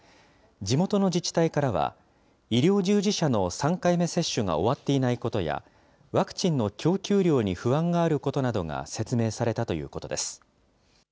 地元の自治体からは、医療従事者の３回目接種が終わっていないことや、ワクチンの供給量に不安があることなどが説明されたということです。